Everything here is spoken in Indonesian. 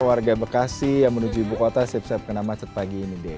warga bekasi yang menuju ibu kota siap siap kena macet pagi ini deh